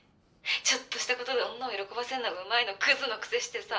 「ちょっとした事で女を喜ばせるのがうまいのクズのくせしてさ」